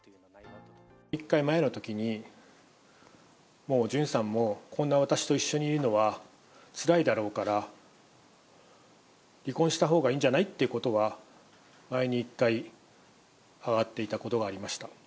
１回、前のときに、もうジュンさんも、こんな私と一緒にいるのはつらいだろうから、離婚したほうがいいんじゃないってことは、前に一回、上がっていたことがありました。